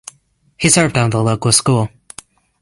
He served on the local school.